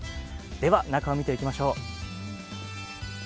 では、中を見ていきましょう。